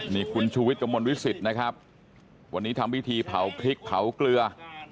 นี่คุณชูวิทย์กระมวลวิสิตนะครับวันนี้ทำพิธีเผาพริกเผาเกลือ